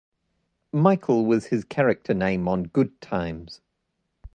Michael was his character name on "Good Times".